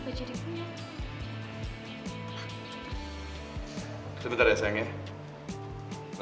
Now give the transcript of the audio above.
mas kenapa jadi gila